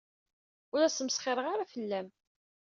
Ur la smesxireɣ ara fell-am.